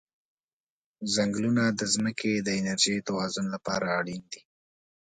ځنګلونه د ځمکې د انرژی توازن لپاره اړین دي.